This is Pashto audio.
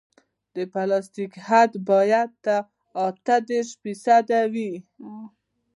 د پلاستیک حد باید اته دېرش فیصده وي